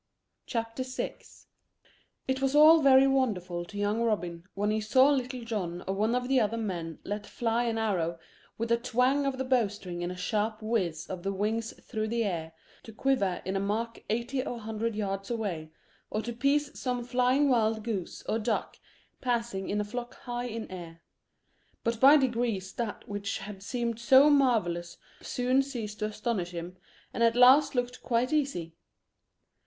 CHAPTER VI It was all very wonderful to young Robin when he saw Little John or one of the other men let fly an arrow with a twang of the bow string and a sharp whizz of the wings through the air, to quiver in a mark eighty or a hundred yards away, or to pierce some flying wild goose or duck passing in a flock high in air; but by degrees that which had seemed so marvellous soon ceased to astonish him, and at last looked quite easy.